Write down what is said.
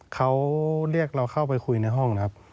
เขาเรียกเราเข้าไปคุยในห้องนะครับ